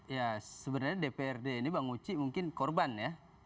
ya sebenarnya dprd ini bang uci mungkin korban ya